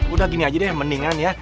udah gini aja deh yang mendingan ya